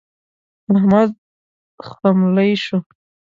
احمد خملۍ شو.